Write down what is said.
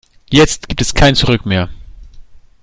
Jetzt gibt es kein Zurück mehr.